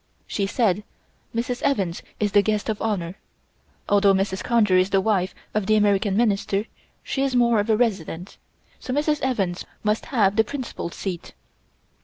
She said: "Mrs. Evans is the guest of honor. Although Mrs. Conger is the wife of the American Minister, she is more of a resident, so Mrs. Evans must have the principal seat."